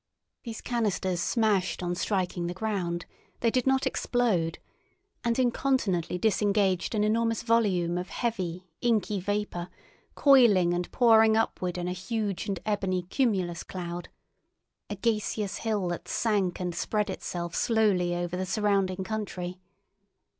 These canisters smashed on striking the ground—they did not explode—and incontinently disengaged an enormous volume of heavy, inky vapour, coiling and pouring upward in a huge and ebony cumulus cloud, a gaseous hill that sank and spread itself slowly over the surrounding country.